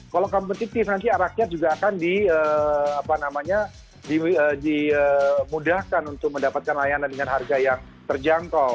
kalau kompetitif nanti rakyat juga akan dimudahkan untuk mendapatkan layanan dengan harga yang terjangkau